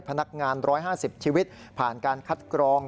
พนักงาน๑๕๐ชีวิตผ่านการคัดกรอง